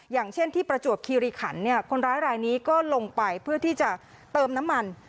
อย่างเช่นที่ประจวบคิริขันเนี่ยคนร้ายรายนี้ก็ลงไปเพื่อที่จะเติมน้ำมัน